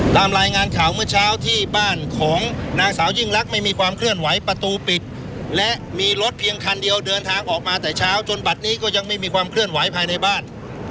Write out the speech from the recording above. ตามรายงานข่าวเมื่อเช้าที่บ้านของนางสาวยิ่งลักษณ์ไม่มีความเคลื่อนไหวประตูปิดและมีรถเพียงคันเดียวเดินทางออกมาแต่เช้าจนบัตรนี้ก็ยังไม่มีความเคลื่อนไหวภายในบ้าน